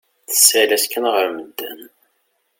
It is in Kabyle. Tessal-as kan ɣer medden.